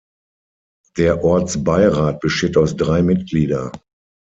Der Ortsbeirat besteht aus drei Mitglieder.